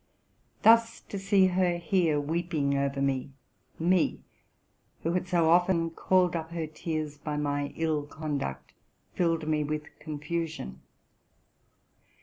'Thus to see her here weeping over me, —me, who had so often called up her tears by my ill conduct, filled me with confusion.